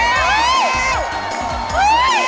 เย่